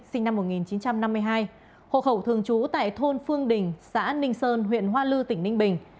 sinh năm một nghìn chín trăm năm mươi hai hộ khẩu thường trú tại thôn phương đình xã ninh sơn huyện hoa lư tỉnh ninh bình